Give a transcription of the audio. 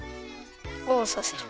オンさせる。